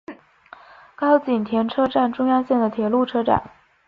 高井田车站中央线的铁路车站。